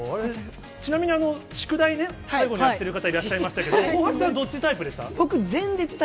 ちなみに、宿題ね、最後にやってる方いらっしゃいましたけど、大橋さんはどっちタイプでした？